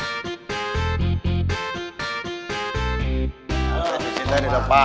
tapi aku sendiri